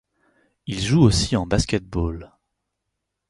Il joue aussi en basket-ball.